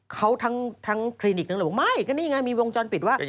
เขาทั้งคลินิกนั้นเลยบอกไม่ก็นี่ไงมีวงจรปิดว่า